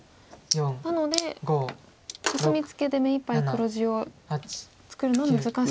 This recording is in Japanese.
なのでコスミツケで目いっぱい黒地を作るのは難しいと。